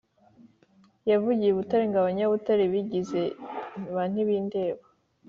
yavugiye i Butare ngo Abanyabutare bigize ba ntibindeba